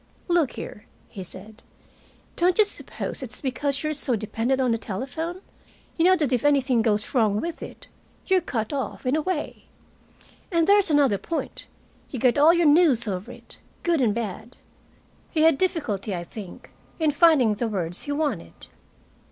"Look here," he said, "don't you suppose it's because you're so dependent on the telephone? You know that if anything goes wrong with it, you're cut off, in a way. And there's another point you get all your news over it, good and bad." He had difficulty, I think, in finding the words he wanted.